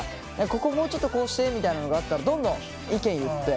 ここもうちょっとこうしてみたいなのがあったらどんどん意見言って。